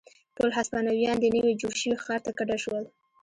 ټول هسپانویان دې نوي جوړ شوي ښار ته کډه شول.